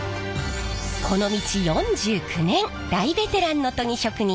この道４９年大ベテランの研ぎ職人